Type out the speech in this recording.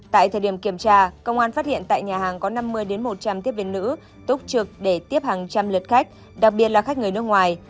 tại thời điểm kiểm tra công an phát hiện tại nhà hàng có năm mươi một trăm linh tiếp viên nữ túc trực để tiếp hàng trăm lượt khách đặc biệt là khách người nước ngoài